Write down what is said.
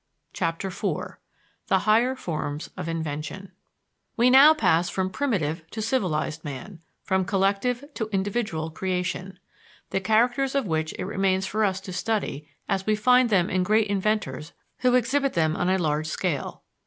CHAPTER IV THE HIGHER FORMS OF INVENTION We now pass from primitive to civilized man, from collective to individual creation, the characters of which it remains for us to study as we find them in great inventors who exhibit them on a large scale.